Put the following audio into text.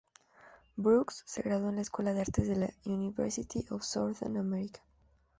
Brooks se graduó en la Escuela de Artes de la University of Southern California.